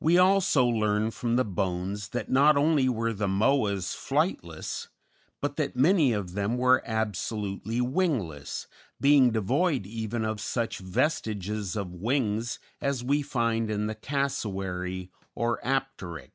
We also learn from the bones that not only were the Moas flightless, but that many of them were absolutely wingless, being devoid even of such vestiges of wings as we find in the Cassowary or Apteryx.